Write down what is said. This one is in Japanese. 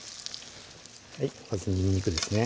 はいまずにんにくですね